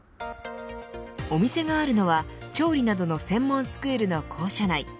お店があるのは調理などの専門スクールの校舎内。